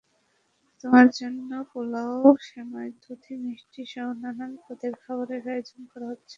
তাদের জন্য পোলাও, সেমাই, দধি, মিষ্টিসহ নানা পদের খাবারের আয়োজন করা হচ্ছে।